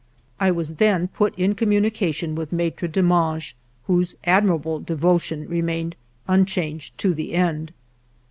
I was then put in communication with Maitre Demange, whose admirable devotion remained unchanged to the end.